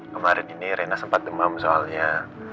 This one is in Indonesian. kemarin ini rena sempat demam soalnya